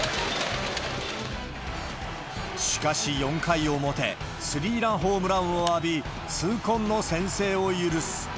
しかし、４回表、スリーランホームランを浴び、痛恨の先制を許す。